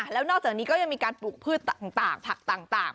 แล้วนอกจากนี้ก็ยังมีการปลูกพืชต่างผักต่าง